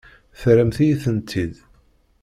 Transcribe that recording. Terramt-iyi-tent-id.